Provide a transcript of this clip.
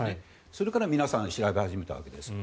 それから皆さん調べ始めたわけです。